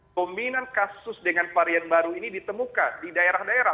dominan kasus dengan varian baru ini ditemukan di daerah daerah